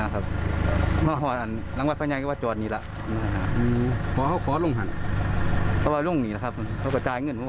ขยายผลเพิ่ม